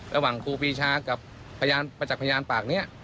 ระหว่างครูปีชากับพยานประจักษ์พยานปากนี้